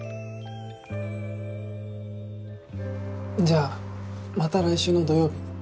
じゃあまた来週の土曜日に。